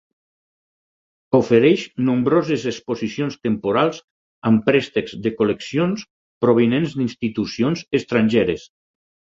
Ofereix nombroses exposicions temporals amb préstecs de col·leccions provinents d'institucions estrangeres.